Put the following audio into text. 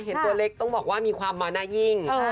ตัวเล็กต้องบอกว่ามีความมาน่ายิ่ง